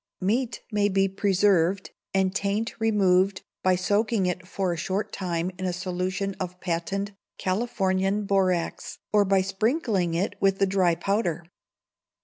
Meat may be preserved, and taint removed by soaking it for a short time in a solution of Patent Californian Borax, or by sprinkling it with the dry powder.